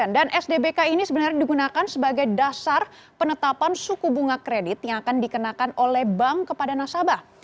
dan sdbk ini sebenarnya digunakan sebagai dasar penetapan suku bunga kredit yang akan dikenakan oleh bank kepada nasabah